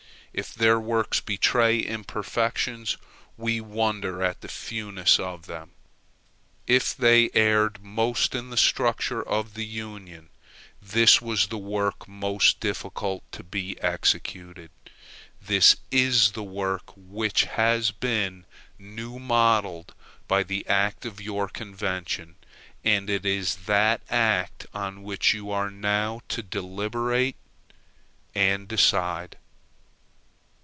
If their works betray imperfections, we wonder at the fewness of them. If they erred most in the structure of the Union, this was the work most difficult to be executed; this is the work which has been new modelled by the act of your convention, and it is that act on which you are now to deliberate and to decide.